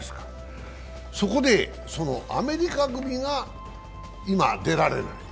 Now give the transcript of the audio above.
そこで、アメリカ組が今、出られる。